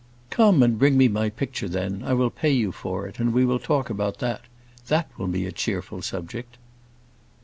"Come and bring me my picture then; I will pay you for it, and we will talk about that. That will be a cheerful subject!"